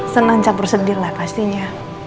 seneng campur sedir lah pastinya